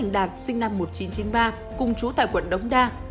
đạt sinh năm một nghìn chín trăm chín mươi ba cùng chú tại quận đống đa